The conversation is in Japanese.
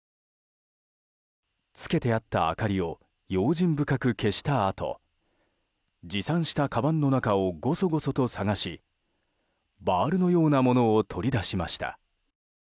つけてあった明かりを用心深く消したあと持参したかばんの中をごそごそと探しバールのようなものを取り出しました。